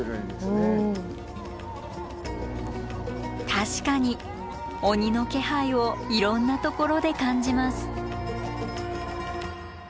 確かに鬼の気配をいろんなところで感じます。